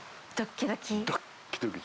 ドッキドキ。